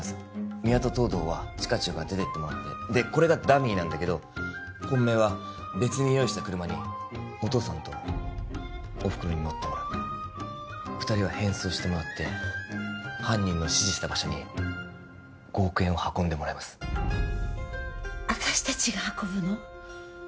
三輪と東堂は地下駐から出ていってもらってでこれがダミーなんだけど本命は別に用意した車にお義父さんとお袋に乗ってもらう二人は変装してもらって犯人の指示した場所に５億円を運んでもらいます私達が運ぶの？